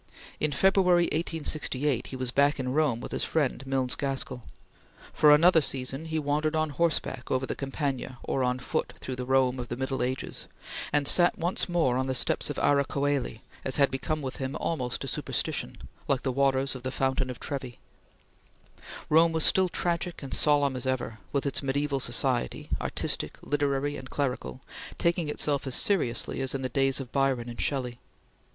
In February, 1868, he was back in Rome with his friend Milnes Gaskell. For another season he wandered on horseback over the campagna or on foot through the Rome of the middle ages, and sat once more on the steps of Ara Coeli, as had become with him almost a superstition, like the waters of the fountain of Trevi. Rome was still tragic and solemn as ever, with its mediaeval society, artistic, literary, and clerical, taking itself as seriously as in the days of Byron and Shelley.